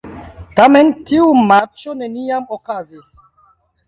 Tamen tiu matĉo neniam okazis.